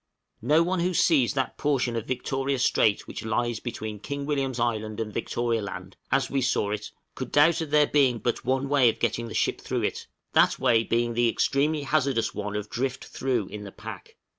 No one who sees that portion of Victoria Strait which lies between King William's Island and Victoria Land, as we saw it, could doubt of there being but one way of getting a ship through it, that way being the extremely hazardous one of drift through in the pack.